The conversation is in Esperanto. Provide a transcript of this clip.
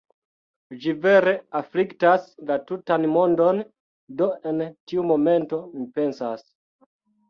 Ĝi vere afliktas la tutan mondon, do en tiu momento mi pensas: